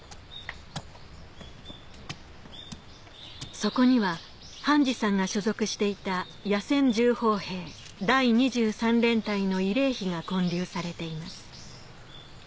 そこには半次さんが所属していた野戦重砲兵第２３連隊の慰霊碑が建立されています